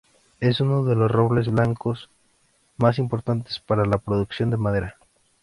Es uno de los robles blancos más importantes para la producción de madera.